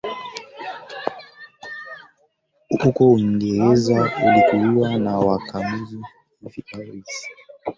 Huko Uingereza ulikuwa na makoloni kumi na tatu